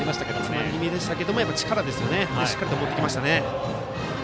詰まり気味でしたけど力でしっかりと持っていきましたね。